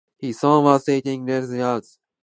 He soon was teaching rhetoric and Greek language.